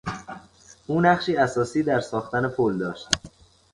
او نقشی اساسی در ساختن پل داشت.